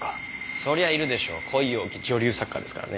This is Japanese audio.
そりゃいるでしょう恋多き女流作家ですからね。